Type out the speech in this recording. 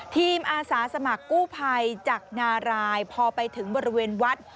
อาสาสมัครกู้ภัยจากนารายพอไปถึงบริเวณวัด